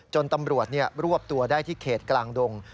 ตำรวจรวบตัวได้ที่เขตกลางดง